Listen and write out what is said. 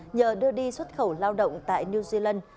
nhờ đưa đi xuất khẩu lao động tại new zealand